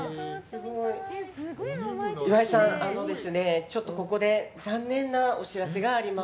岩井さん、ここで残念なお知らせがあります。